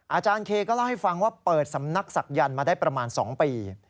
อาจารย์เคก็เล่าให้ฟังว่าเปิดสำนักศักยันต์มาได้ประมาณ๒ปี